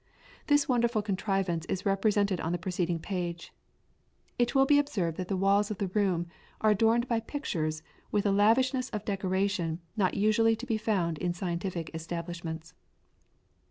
This wonderful contrivance is represented on the preceding page. It will be observed that the walls of the room are adorned by pictures with a lavishness of decoration not usually to be found in scientific establishments.